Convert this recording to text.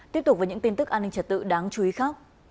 tiếp tục với những tin tức an ninh trật tự đáng chú ý khác